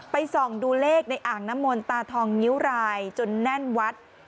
ส่องดูเลขในอ่างน้ำมนตาทองนิ้วรายจนแน่นวัด